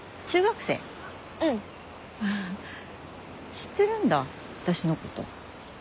知ってるんだ私のこと。